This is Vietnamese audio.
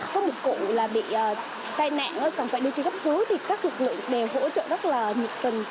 có một cụ là bị tai nạn còn phải đưa đi cấp cứu thì các lực lượng đều hỗ trợ rất là nhiệt tình